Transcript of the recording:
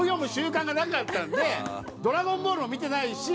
『ドラゴンボール』も見てないし。